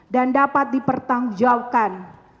dan dapat dipertanggjaukan